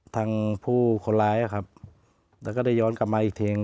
ทางผู้คนร้ายครับแล้วก็ได้ย้อนกลับมาอีกที